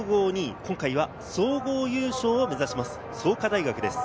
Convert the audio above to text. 今回は総合優勝を目指します創価大学です。